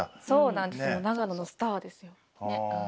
そうなんですよ長野のスターですよ。